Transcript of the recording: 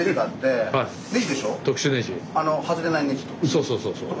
そうそうそう。